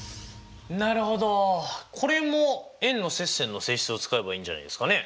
なるほどこれも円の接線の性質を使えばいいんじゃないですかね？